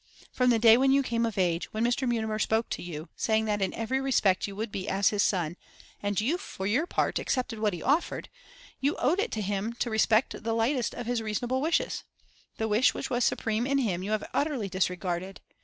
From the day when you came of age, when Mr. Mutimer spoke to you, saying that in every respect you would be as his son, and you, for your part, accepted what he offered, you owed it to him to respect the lightest of his reasonable wishes. The wish which was supreme in him you have utterly disregarded.